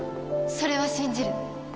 それは信じる。